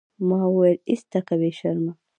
ما وويل ايسته که بې شرمه.